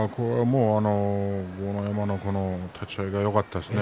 豪ノ山の立ち合いがよかったですね。